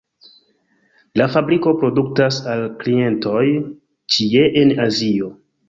La fabriko produktas al klientoj ĉie en Azio.